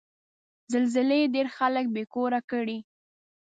زلزلې ډېر خلک بې کوره کړي.